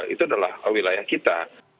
itu adalah wilayah kita